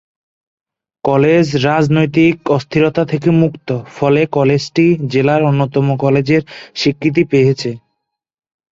College রাজনৈতিক অস্থিরতা থেকে মুক্ত ফলে কলেজটি জেলার অন্যতম কলেজের স্বীকৃতি পেয়েছে।